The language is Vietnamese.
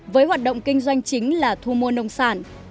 với hoạt động kinh doanh chính là thu mua nông sản